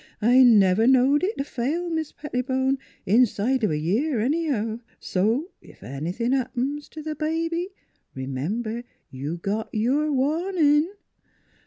I never knowed it t' fail, Mis' Petti bone inside of a year, anyhow! So if anythin' happens t' th' baby, r'member you got your warnin'